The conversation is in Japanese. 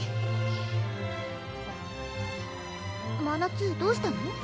まなつどうしたの？